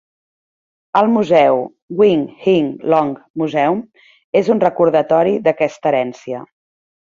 El museu Wing Hing Long Museum és un recordatori d'aquesta herència.